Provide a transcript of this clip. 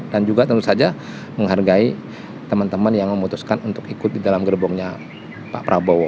dan juga tentu saja menghargai teman teman yang memutuskan untuk ikut di dalam gerbongnya pak prabowo